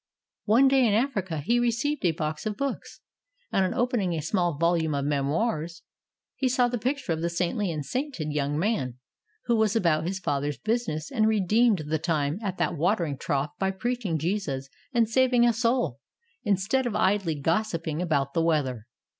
One day in Africa he received a box of books, and on opening a small volume of memoirs, he saw the picture of the saintly and sainted young man who was about his Father's business and redeemed the time at that watering trough by preaching Jesus and saving a soul, instead of idly gossiping about the weather.